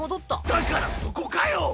だからそこかよ！